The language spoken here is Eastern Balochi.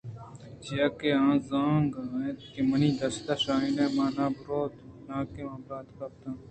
چیاکہ آ زانگ ءَ اَت کہ منی دست شاہین ءَ ماں نہ رئوت ءُ نا کہ من بیرے گپت کناں